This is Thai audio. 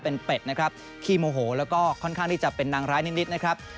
เป็นเป็ดนะครับขี้โมโหแล้วก็ค่อนข้างที่จะเป็นนางร้ายนิดนะครับ